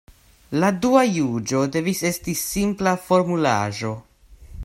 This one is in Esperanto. La dua juĝo devis esti simpla formulaĵo.